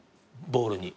ボールに。